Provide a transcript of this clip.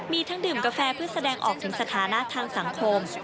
มีทั้งดื่มกาแฟเพื่อแสดงออกถึงสถานะทางสังคม